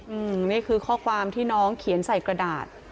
อืมนี่คือข้อความที่น้องเขียนใส่กระดาษ